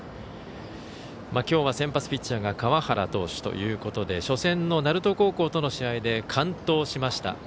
きょうは先発ピッチャーが川原投手ということで初戦の鳴門高校との試合で完投しました。